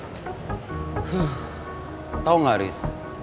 kayaknya saya harus mengulur kesabaran deh riz